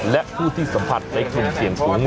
และผู้ที่สัมผัสในกลุ่มเสี่ยงสูง